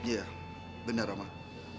iya benar ramah